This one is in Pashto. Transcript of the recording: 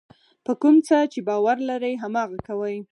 په کوم څه چې باور لرئ هماغه کوئ.